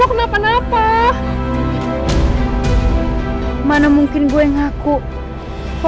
ya ampun atau kita berdua